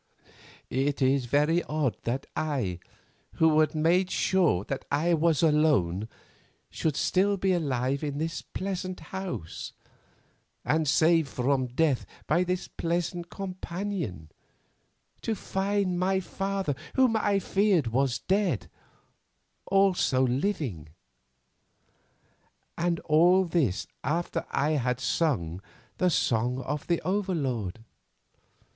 "It is very odd that I, who had made sure that I was gone, should be still alive in this pleasant house, and saved from death by this pleasant companion, to find my father, whom I feared was dead, also living. And all this after I had sung the 'Song of the Overlord!